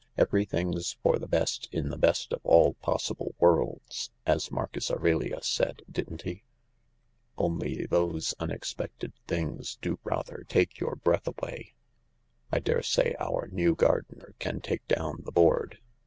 " Everything's for the best in the best of all possible worlds, as Marcus Aurelius said, didn't he ? Only those unexpected things do rather take your breath away. I daresay our new gardener can take down the board.